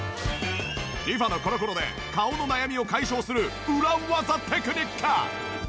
リファのコロコロで顔の悩みを解消する裏技テクニック！